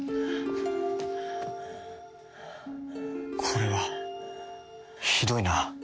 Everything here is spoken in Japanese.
これはひどいな。